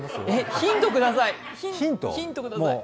ヒントください。